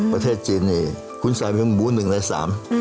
ประเทศจีนนี่คุณใส่เพียงหมูหนึ่งในสาม